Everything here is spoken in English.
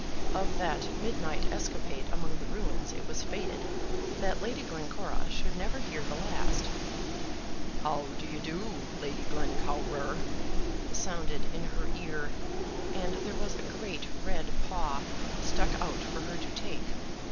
Of that midnight escapade among the ruins it was fated that Lady Glencora should never hear the last. "How d'ye do, Lady Glencowrer?" sounded in her ear, and there was a great red paw stuck out for her to take.